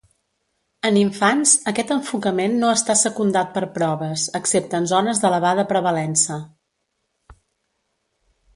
En infants, aquest enfocament no està secundat per proves, excepte en zones d'elevada prevalença.